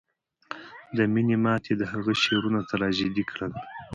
د مینې ماتې د هغه شعرونه تراژیدي کړل